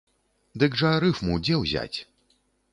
Дык жа рыфму дзе ўзяць?